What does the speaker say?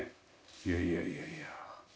いやいやいやいや。